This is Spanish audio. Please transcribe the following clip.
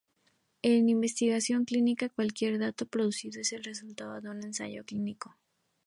En investigación clínica cualquier dato producido es el resultado de un ensayo clínico.